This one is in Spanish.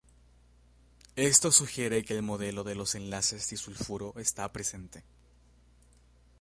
Esto sugiere que el modelo de los enlaces disulfuro está presente.